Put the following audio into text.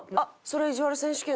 それ。